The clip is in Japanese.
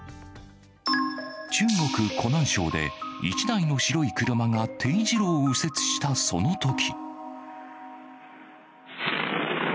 中国・湖南省で、一台の白い車が丁字路を右折したそのとき。